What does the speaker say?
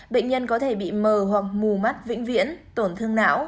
bệnh nhân có thể bị mờ hoặc mù mắt vĩnh viễn tổn thương não